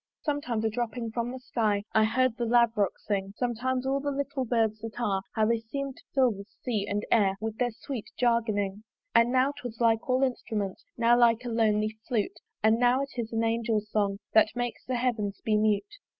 Sometimes a dropping from the sky I heard the Lavrock sing; Sometimes all little birds that are How they seem'd to fill the sea and air With their sweet jargoning, And now 'twas like all instruments, Now like a lonely flute; And now it is an angel's song That makes the heavens be mute.